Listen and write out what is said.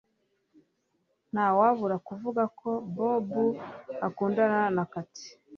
Ntawabura kuvuga ko Bobo akundana na Kathy